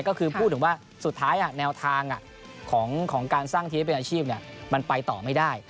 ก็คือพูดถึงว่าสุดท้ายแนวทางของการสร้างทีมให้เป็นอาชีพมันไปต่อไม่ได้